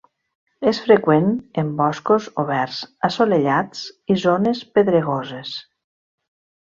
És freqüent en boscos oberts, assolellats i zones pedregoses.